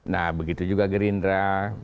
nah begitu juga gerindra